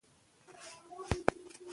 افغانستان د سیلابونه له پلوه متنوع دی.